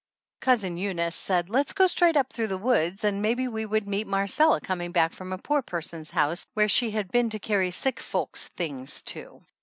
106 THE ANNALS OF ANN Cousin Eunice said let's go straight up through the woods and maybe we would meet Marcella coming back from a poor person's house where she had been to carry sick folks' things to.